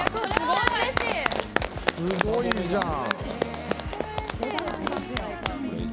すごいじゃん。